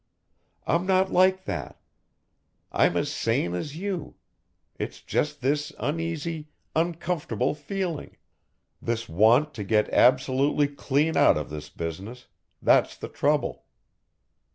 I'm not like that, I'm as sane as you, it's just this uneasy, uncomfortable feeling this want to get absolutely clean out of this business, that's the trouble."